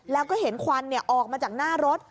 แล้วก็เห็นควันออกมาจากหน้ารถ